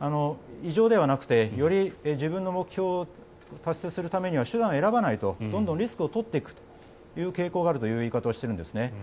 異常ではなくてより自分の目標を達成するためには手段を選ばないどんどんリスクを取っていくという傾向があるという言い方をしているんですね。